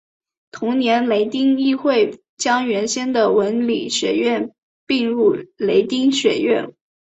同年雷丁议会将原先的文理学院并入雷丁学院。